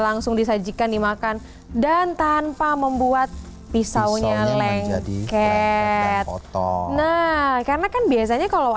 langsung disajikan dimakan dan tanpa membuat pisaunya lengket nah karena kan biasanya kalau